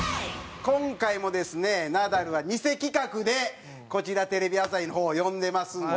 今回もですねナダルはニセ企画でこちらテレビ朝日の方呼んでますんで。